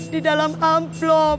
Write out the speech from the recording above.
di dalam amplop